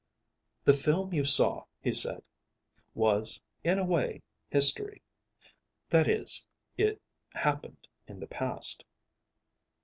"The film you saw," he said, "was, in a way, history. That is, it happened in the past."